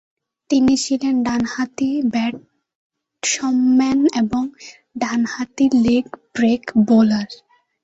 তিনি ছিলেন ডানহাতি ব্যাটসম্যান এবং ডানহাতি লেগ ব্রেক বোলার।